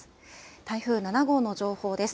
台風７号の情報です。